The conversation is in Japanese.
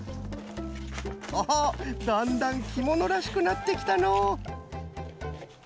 オホッだんだんきものらしくなってきたのう。